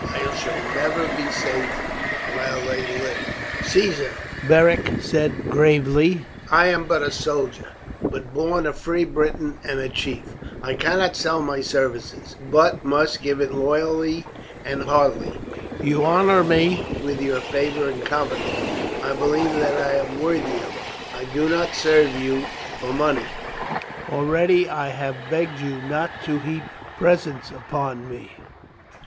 I shall never be safe while they live." "Caesar," Beric said gravely, "I am but a soldier, but born a free Briton and a chief. I cannot sell my service, but must give it loyally and heartily. You honour me with your favour and confidence; I believe that I am worthy of it. I do not serve you for money. Already I have begged you not to heap presents upon me.